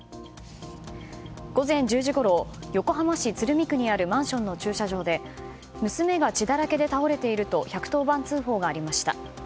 午前１０時ごろ横浜市鶴見区にあるマンションの駐車場で娘が血だらけで倒れていると１１０番通報がありました。